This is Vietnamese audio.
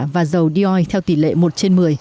và dầu d o i theo tỷ lệ một trên một mươi